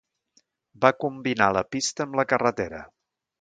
Va combinar la pista amb la carretera.